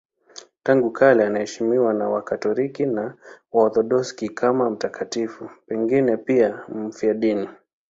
Tangu kale anaheshimiwa na Wakatoliki na Waorthodoksi kama mtakatifu, pengine pia mfiadini.